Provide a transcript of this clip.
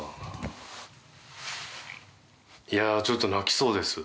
いや、ちょっと泣きそうです。